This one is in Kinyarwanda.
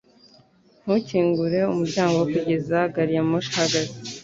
Ntukingure umuryango kugeza gari ya moshi ihagaze